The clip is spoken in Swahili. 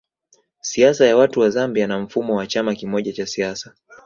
Siasa ya watu wa Zambia na mfumo wa chama kimoja cha siasa